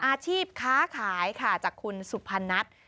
อาชีพค้าขายค่ะจากคุณสุพนัท